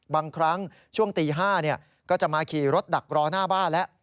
บางครั้งช่วงตี๕ก็จะมาขี่รถดักรอหน้าบ้านแล้ว